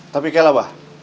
tapi kek apa